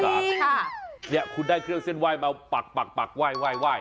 เดีี่ยคุณได้เครื่องเส้นไหว้มาปักว่าย